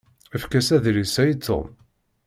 Efk-as adlis-a i Tom.